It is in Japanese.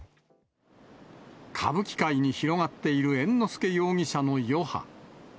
歌舞伎界に広がっている猿之助容疑者の余波。